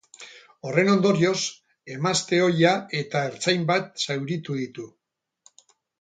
Horren ondorioz, emazte ohia eta ertzain bat zauritu ditu.